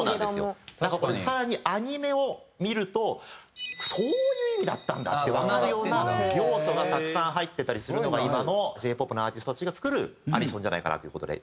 これ更にアニメを見るとそういう意味だったんだってわかるような要素がたくさん入ってたりするのが今のＪ−ＰＯＰのアーティストたちが作るアニソンじゃないかなっていう事で。